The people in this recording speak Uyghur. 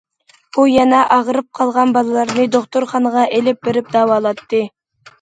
ئۇ يەنە ئاغرىپ قالغان بالىلارنى دوختۇرخانىغا ئېلىپ بېرىپ داۋالاتتى.